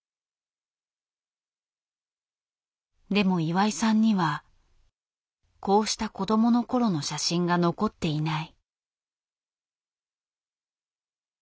でも岩井さんにはこうした子どもの頃の写真が残っていない。